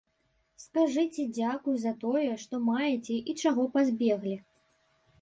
Скажыце дзякуй, за тое, што маеце і чаго пазбеглі.